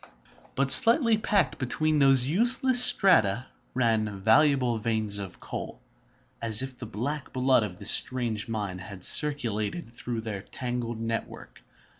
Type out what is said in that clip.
But tightly packed between these useless strata ran valuable veins of coal, as if the black blood of this strange mine had circulated through their tangled network.